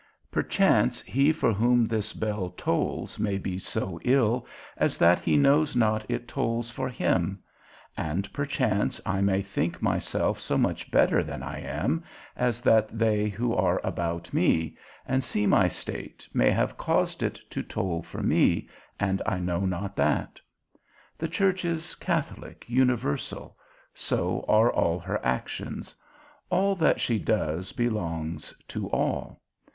Perchance he for whom this bell tolls may be so ill, as that he knows not it tolls for him; and perchance I may think myself so much better than I am, as that they who are about me, and see my state, may have caused it to toll for me, and I know not that. The church is Catholic, universal, so are all her actions; all that she does belongs to all.